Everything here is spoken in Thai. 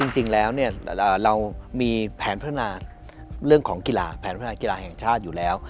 จริงแล้วเรามีแผนพัฒนาเรื่องของกีฬาแผนพัฒนากีฬาแห่งชาติอยู่แล้ว